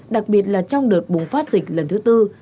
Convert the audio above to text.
đặc biệt là trong đợt bùng phát dịch lần thứ tư